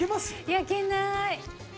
焼けない！